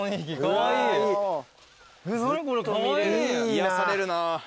癒やされるな。